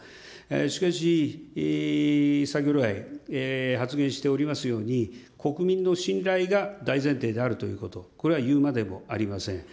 しかし、先ほどらい発言しておりますように、国民の信頼が大前提であるということ、これは言うまでもありません。